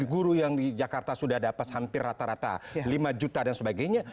guru yang di jakarta sudah dapat hampir rata rata lima juta dan sebagainya